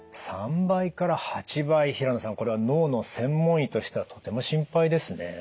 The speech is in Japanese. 平野さんこれは脳の専門医としてはとても心配ですね。